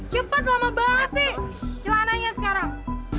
cepet lama banget sih celananya sekarang